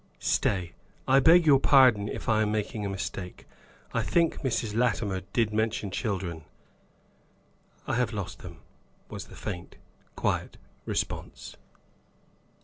Stay. I beg your pardon if I am making a mistake; I think Mrs. Latimer did mention children." "I have lost them," was the faint, quiet response.